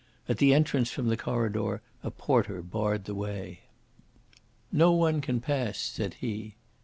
At the entrance from the corridor a porter barred the way. "No one can pass," said he.